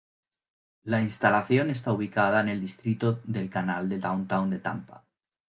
La instalación está ubicada en el Distrito del Canal del Downtown de Tampa.